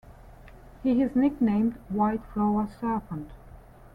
He is nicknamed "White Flower Serpent".